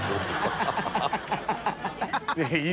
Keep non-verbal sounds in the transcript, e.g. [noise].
ハハハ [laughs]